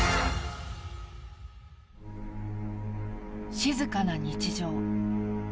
静かな日常。